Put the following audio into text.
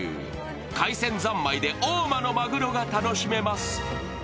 海鮮三昧で大間のまぐろが楽しめます。